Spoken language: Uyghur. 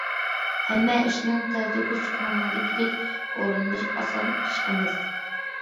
ھەممە ئىشنى تەلتۆكۈس، كۆڭۈلدىكىدەك ئورۇنداش ئاسان ئىش ئەمەس.